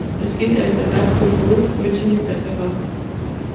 Es gilt als Ersatz für Brot, Brötchen etc.